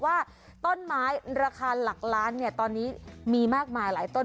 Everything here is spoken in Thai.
ว่าต้นไม้ราคาหลักล้านตอนนี้มีมากมายหลายต้น